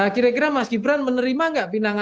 kira kira mas gibran menerima gak pindahannya